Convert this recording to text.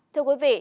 thưa quý vị